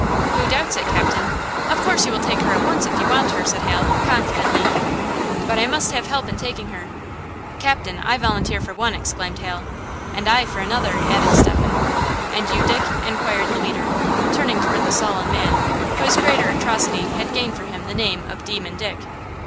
"Who doubts it, captain? Of course you will take her at once if you want her," said Hal, confidently. "But, I must have help in taking her." "Captain, I volunteer for one!" exclaimed Hal. "And I, for another," added Stephen. "And you, Dick?" inquired the leader, turning toward the sullen man, whose greater atrocity had gained for him the name of Demon Dick.